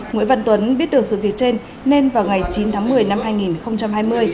nguyễn văn tuấn biết được sự việc trên nên vào ngày chín tháng một mươi năm hai nghìn hai mươi